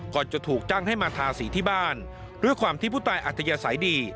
จะถูกจ้างให้มาทาสีที่บ้านด้วยความที่ผู้ตายอัธยาศัยดี